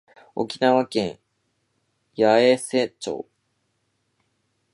沖縄県八重瀬町